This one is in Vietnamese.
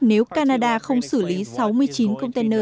nếu canada không xử lý sáu mươi chín container